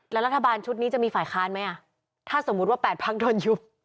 แล้วรัฐบาลชุดนี้จะมีฝ่ายค้านไหมอ่ะถ้าสมมุติว่า๘พักโดนยุบ